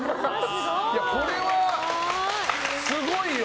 これはすごいよ。